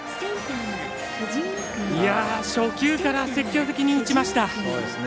初球から積極的に打ちました。